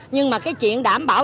nhưng mà cái chuyện đảm bảo